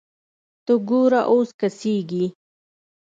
ته ګوره اوس کسږي